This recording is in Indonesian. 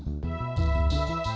tidak bisa diandalkan